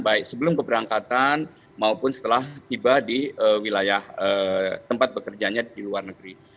baik sebelum keberangkatan maupun setelah tiba di wilayah tempat bekerjanya di luar negeri